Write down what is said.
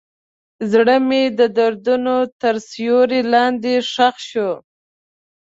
زړه مې د دردونو تر سیوري لاندې ښخ شو.